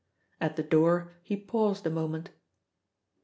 At the door he paused a moment.